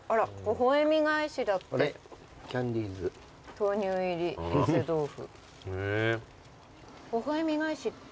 豆乳入り寄せ豆腐。